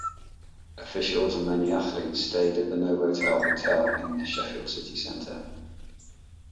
Officials and many athletes stayed at the Novotel Hotel in the Sheffield City Centre.